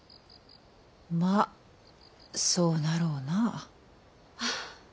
まあそうなろうな。